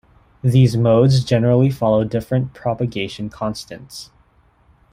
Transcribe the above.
These modes generally follow different propagation constants.